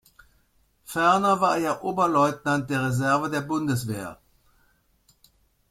Ferner war er Oberleutnant der Reserve der Bundeswehr.